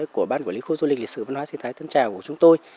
của ban quản lý khu du lịch lịch sử văn hóa sinh thái tân trào của chúng tôi